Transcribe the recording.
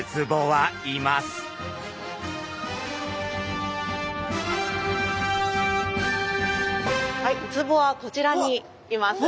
はいウツボはこちらにいます。